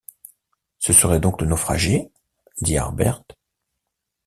Ce serait donc le naufragé? dit Harbert.